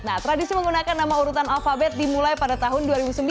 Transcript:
nah tradisi menggunakan nama urutan alfabet dimulai pada tahun dua ribu sembilan